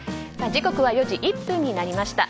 時刻は４時１分になりました。